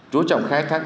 chú trọng khai thác